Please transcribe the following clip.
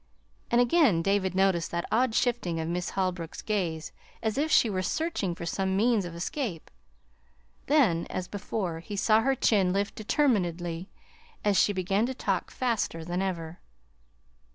And again David noticed that odd shifting of Miss Holbrook's gaze as if she were searching for some means of escape. Then, as before, he saw her chin lift determinedly, as she began to talk faster than ever.